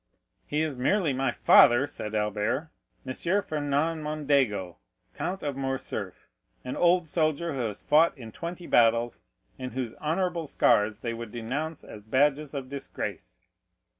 "He is merely my father," said Albert—"M. Fernand Mondego, Count of Morcerf, an old soldier who has fought in twenty battles and whose honorable scars they would denounce as badges of disgrace."